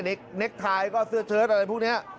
เน็กไทยก็เสื้อเชิดอะไรพวกนี้